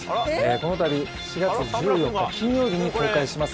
このたび４月１４日金曜日に公開します